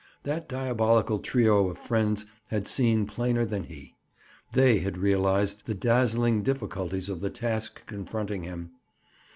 That diabolical trio of friends had seen plainer than he. They had realized the dazzling difficulties of the task confronting him.